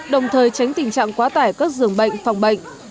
đồng thời tránh tình trạng quá tải các dường bệnh phòng bệnh